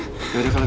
mas aku mau pulang